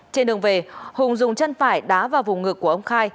trên đường về hùng dùng chân phải đá vào vùng ngực của ông khai